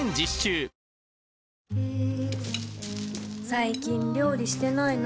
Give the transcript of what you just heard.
最近料理してないの？